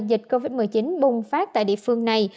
dịch covid một mươi chín bùng phát tại địa phương này